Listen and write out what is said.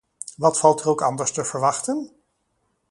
Wat valt er ook anders te verwachten?